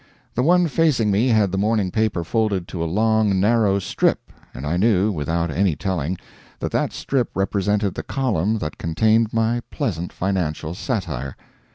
The one facing me had the morning paper folded to a long, narrow strip, and I knew, without any telling, that that strip represented the column that contained my pleasant financial satire.